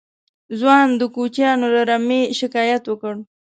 ځوان د کوچيانو له رمې شکايت وکړ.